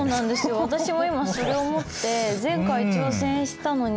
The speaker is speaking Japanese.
私も今それを思って前回挑戦したのに。